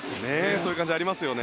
そういう感じがありますよね。